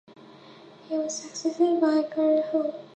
He was succeeded by Cordell Hull.